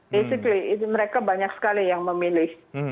basically itu mereka banyak sekali yang memilih